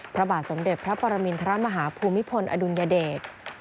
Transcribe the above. พระบาทสมเด็จพระปรมินทรมาฮาภูมิพลอดุลยเดช